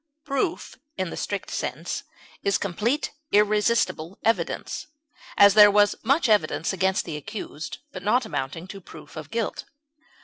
Proof in the strict sense is complete, irresistible evidence; as, there was much evidence against the accused, but not amounting to proof of guilt.